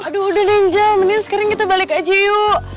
aduh udah ninja mendingan sekarang kita balik aja yuk